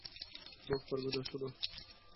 মাফ করবে, সোনা।